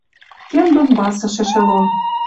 Кен Донбассыш эшелон.